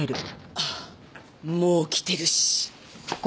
あっもう来てるし。